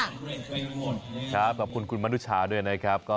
ครับขอบคุณคุณมนุชาด้วยนะครับ